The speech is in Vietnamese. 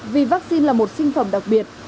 vì vaccine là một sinh phẩm đặc biệt